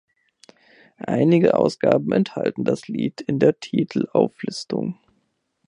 Einige Ausgaben enthalten das Lied in der Titelauflistung.